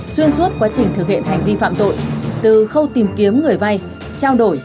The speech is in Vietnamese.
xuyên suốt quá trình thực hiện hành vi phạm tội từ khâu tìm kiếm người vay trao đổi